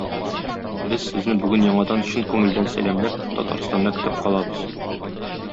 Без сезне бүген яңадан чын күңелдән сәламләп, Татарстанда көтеп калабыз.